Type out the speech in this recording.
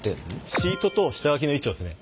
シートと下書きの位置をですね